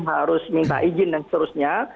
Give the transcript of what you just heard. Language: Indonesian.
harus minta izin dan seterusnya